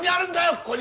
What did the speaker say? ここに！